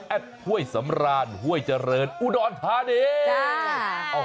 แอบห้วยสำรานห้วยเจริญอุดอลภาเดจ้า